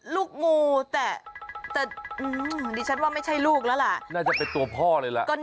ดูดึงไปดึงมาดูคิดว่าตัวเล็ก